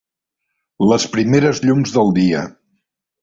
Les primeres llums del dia.